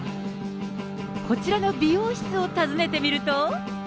こちらの美容室を訪ねてみると。